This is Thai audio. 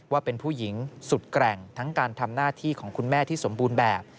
ว่าเป็นผู้หญิงสุดแกร่งทั้งการทำหน้าที่ของคุณแม่ที่สมบูรณ์แบบ